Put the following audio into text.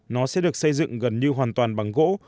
nó sẽ được xây dựng gần như hoàn toàn bằng gỗ